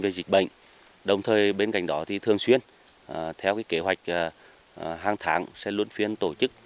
tình hình về dịch bệnh đồng thời bên cạnh đó thì thường xuyên theo kế hoạch hàng tháng sẽ luân phiên tổ chức